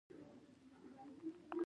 افغانان ولې وطن سره مینه لري؟